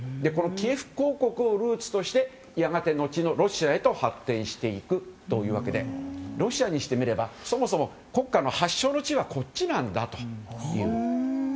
このキエフ公国をルーツとしてやがて、後のロシアへと発展していくというわけでロシアにしてみれば、そもそも国家の発祥の地はこっちなんだという。